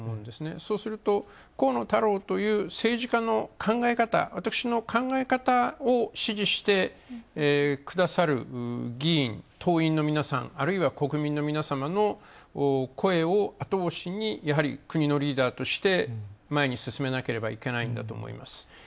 そうすると河野太郎という政治家の考え方、私の考え方を支持してくださる議員、党員の皆さんあるいは国民の皆様の声を後押しに、国のリーダーとして前に進めなければいけないんだと思います。